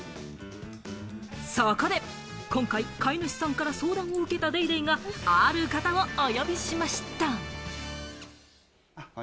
そこで今回、飼い主さんから相談を受けた『ＤａｙＤａｙ．』が、ある方をお呼びしました！